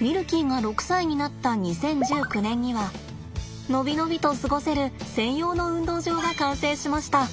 ミルキーが６歳になった２０１９年には伸び伸びと過ごせる専用の運動場が完成しました。